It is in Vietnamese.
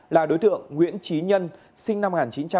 là đối tượng nguyễn trí nhân sinh năm một nghìn chín trăm sáu mươi bốn